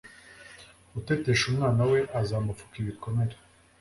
utetesha umwana we, azamupfuka ibikomere